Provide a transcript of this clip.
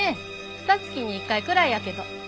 ふた月に１回くらいやけど。